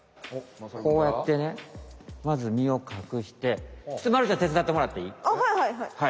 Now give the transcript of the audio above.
こうやってねまず身をかくしてちょっとまるちゃんてつだってもらっていい？